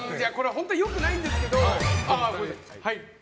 本当に良くないんですけど。